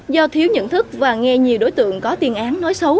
do thiếu nhận thức và nghe nhiều đối tượng có tiền án nói xấu